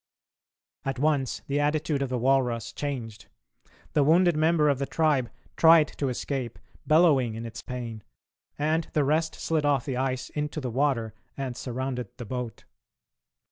At once the attitude of the walrus changed. The wounded member of the tribe tried to escape, bellowing in its pain, and the rest slid off the ice into the water and surrounded the boat.